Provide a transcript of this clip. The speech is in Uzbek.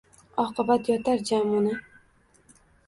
Oqib yotar Jamuna.